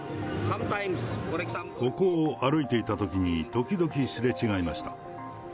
ここを歩いていたときに、時々すれ違いました。